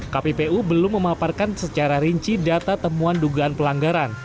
kppu belum memaparkan secara rinci data temuan dugaan pelanggaran